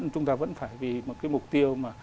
chúng ta vẫn phải vì một cái mục tiêu